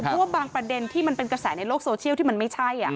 เพราะว่าบางประเด็นที่มันเป็นกระแสในโลกโซเชียลที่มันไม่ใช่